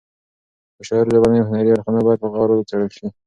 د شاعر ژبني او هنري اړخونه باید په غور وڅېړل شي.